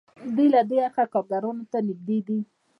دوی له دې اړخه کارګرانو ته نږدې دي.